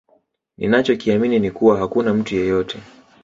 Ninacho kiamini ni kuwa hakuna mtu yeyote